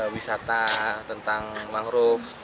wisata tentang mangrove